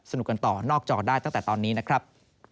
สนุกกันต่อนอกจอได้ตั้งแต่ตอนนี้นะครับ